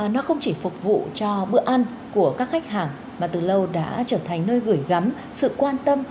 nó không chỉ phục vụ cho bữa ăn của các khách hàng mà từ lâu đã trở thành nơi gửi gắm sự quan tâm